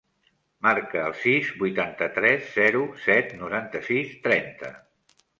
Marca el sis, vuitanta-tres, zero, set, noranta-sis, trenta.